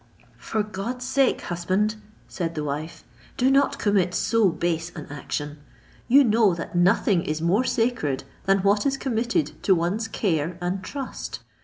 "For God's sake, husband," said the wife, "do not commit so base an action; you know that nothing is more sacred than what is committed to one's care and trust.